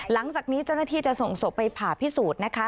หลังจากนี้เจ้าหน้าที่จะส่งศพไปผ่าพิสูจน์นะคะ